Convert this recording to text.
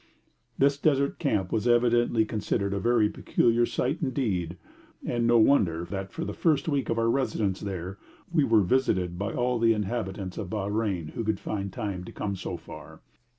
This desert camp was evidently considered a very peculiar sight indeed, and no wonder that for the first week of our residence there, we were visited by all the inhabitants of Bahrein who could find time to come so far.